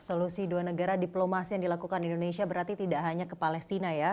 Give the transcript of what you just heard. solusi dua negara diplomasi yang dilakukan indonesia berarti tidak hanya ke palestina ya